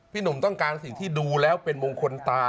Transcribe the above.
หนุ่มต้องการสิ่งที่ดูแล้วเป็นมงคลตา